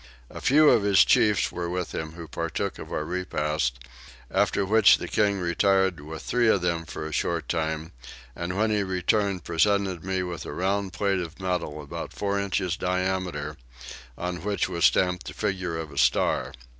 A few of his chiefs were with him who partook of our repast; after which the king retired with three of them for a short time and when he returned presented me with a round plate of metal about four inches diameter on which was stamped the figure of a star.